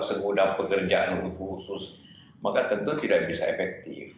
segudang pekerjaan khusus maka tentu tidak bisa efektif